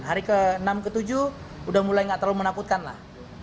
hari ke enam ke tujuh udah mulai nggak terlalu menakutkan lah